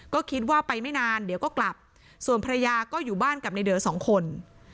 ก็คิดว่าไปไม่นานเดี๋ยวก็กลับส่วนภรรยาก็อยู่บ้านกับในเดอสองคน